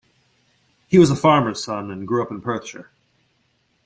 He was a farmer's son and grew up in Perthshire.